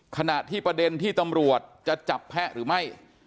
ขณะที่ประเด็นที่ตำรวจจะจับแพะหรือไม่